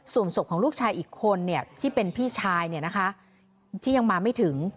ส่วนศพของลูกชายอีกคนที่เป็นพี่ชายที่ยังมาไม่ถึง